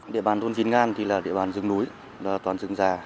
địa bàn thôn dính ngan thì là địa bàn rừng núi toàn rừng rà